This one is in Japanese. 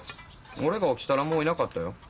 俺が起きたらもういなかったよ。